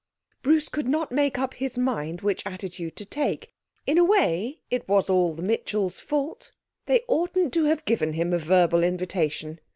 Bruce could not make up his mind which attitude to take. In a way, it was all the Mitchells' fault. They oughtn't to have given him a verbal invitation.